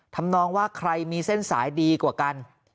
ทำนองว่าใครมีเส้นสายดีกว่ากัน